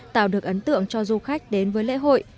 tạo được ấn tượng cho du khách đến với lễ hội